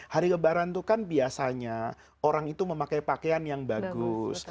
hari lebaran itu kan biasanya orang itu memakai pakaian yang bagus